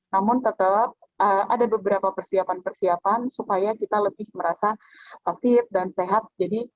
namun tetap ada beberapa persiapan persiapan supaya kita lebih merasa tertib dan sehat